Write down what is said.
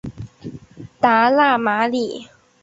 达讷马里。